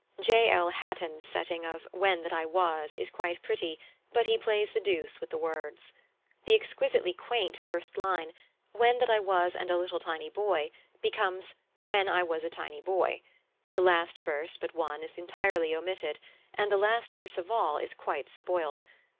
+J. L. Hatton's+ setting of "When that I was" is quite pretty, but he plays the deuce with the words. The exquisitely quaint first line, "When that I was and a little tiny boy" becomes "When I was a tiny boy"; the last verse but one is entirely omitted; and the last verse of all is quite spoilt.